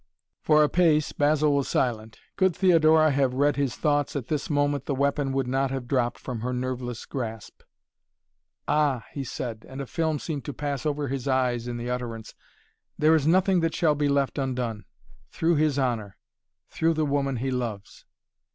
For a pace Basil was silent. Could Theodora have read his thoughts at this moment the weapon would not have dropped from her nerveless grasp. "Ah!" he said, and a film seemed to pass over his eyes in the utterance. "There is nothing that shall be left undone through his honor through the woman he loves."